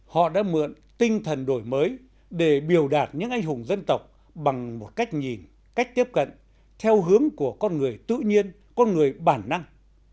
họ đã mượn tinh thần đổi mới để biểu đạt những anh hùng dân tộc bằng một cách nhìn cách tiếp cận theo hướng của con người tự nhiên con người bản năng